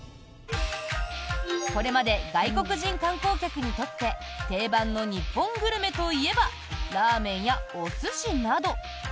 これまで外国人観光客にとって定番の日本グルメといえばラーメンやお寿司など。